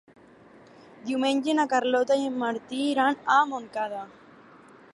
Diumenge na Carlota i en Martí iran a Montcada.